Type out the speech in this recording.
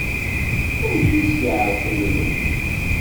Amek ay as-yeɛreq ubrid?